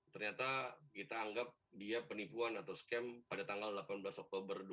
ternyata kita anggap dia penipuan atau scam pada tanggal delapan belas oktober dua ribu dua